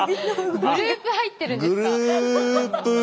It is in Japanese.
グループ入ってるんですか？